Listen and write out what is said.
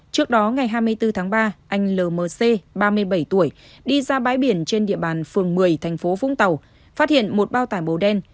trước đó ngày hai mươi bốn tháng ba anh lmc ba mươi bảy tuổi đi ra bãi biển trên địa bàn phường một mươi thành phố vũng tàu phát hiện một bao tải màu đen